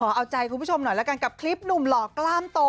เอาใจคุณผู้ชมหน่อยแล้วกันกับคลิปหนุ่มหล่อกล้ามโต